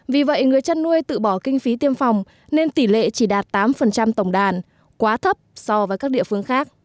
vì vậy người chăn nuôi tự bỏ kinh phí tiêm phòng nên tỷ lệ chỉ đạt tám tổng đàn quá thấp so với các địa phương khác